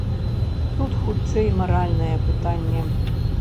Тут хутчэй маральнае пытанне.